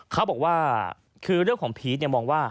เขาบอกว่าคือเรื่องของพีชมองว่า